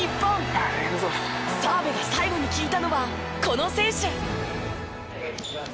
澤部が最後に聞いたのはこの選手。